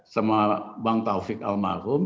sama bang taufik almarhum